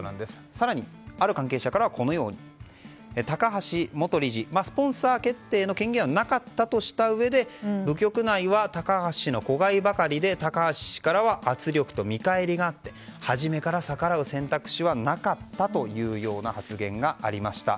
更に、ある関係者からは高橋元理事はスポンサー決定の権限はなかったとしたうえで部局内は高橋氏の子飼いばかりで高橋氏からは圧力と見返りがあって初めから逆らう選択肢はなかったというような発言がありました。